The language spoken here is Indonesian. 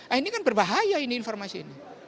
nah ini kan berbahaya ini informasi ini